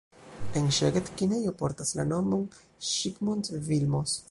En Szeged kinejo portas la nomon Zsigmond Vilmos.